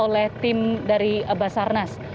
oleh tim dari basarnas